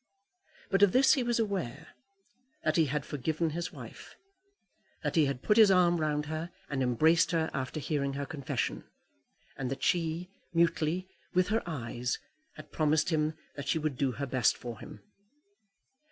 But of this he was aware, that he had forgiven his wife; that he had put his arm round her and embraced her after hearing her confession, and that she, mutely, with her eyes, had promised him that she would do her best for him.